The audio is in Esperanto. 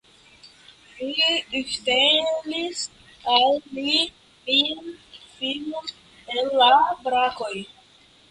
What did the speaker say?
Vi ŝtelis al mi mian filon el la brakoj.